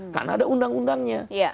karena ada undang undangnya